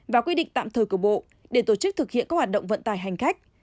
và quy định tạm thời của bộ để tổ chức thực hiện các hoạt động vận tải hành khách